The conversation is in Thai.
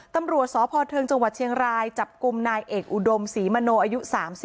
ตำรวจสพเทิงจังหวัดเชียงรายจับกลุ่มนายเอกอุดมศรีมโนอายุ๓๔